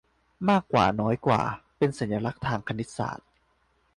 มากกว่าน้อยกว่าเป็นสัญลักษณ์ทางคณิตศาสตร์